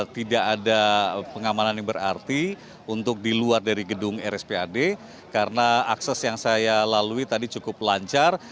tidak ada pengamanan yang berarti untuk diluar dari gedung rs pad karena akses yang saya lalui tadi cukup lancar